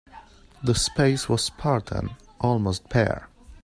The space was spartan, almost bare.